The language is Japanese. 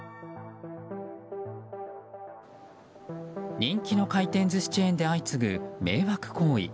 人気の回転寿司チェーンで相次ぐ、迷惑行為。